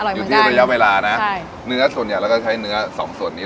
อยู่ที่ระยะเวลานะเนื้อส่วนใหญ่เราก็ใช้เนื้อสองส่วนนี้